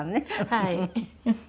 はい。